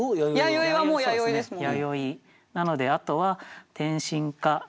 弥生はもう弥生ですもん。